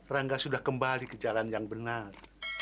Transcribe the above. rangga sudah kembali ke jalan yang benar